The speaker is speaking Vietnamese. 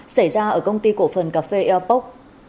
xảy ra ở công ty cổ phần cà phê eapoc